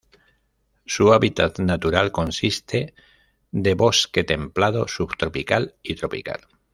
Su hábitat natural consiste de bosque templado, subtropical y tropical.